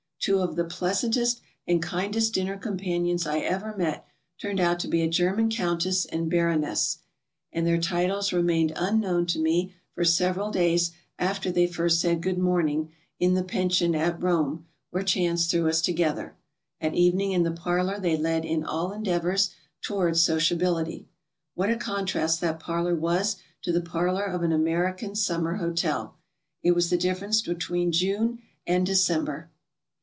Two of the pleasantest and kindest dinner cc^mpanions I ever met turned out to be a German countess and baroness, and their titles remained unknown to me for several days after they first said ''Good morning" in the pension at Rome where chance threw us together; at evening in the parlor they led in all endeavors toward' sociability. What a contrast that parlor was to the parlor of an American sum mer hotel! It was the difference between June and Dece n ber.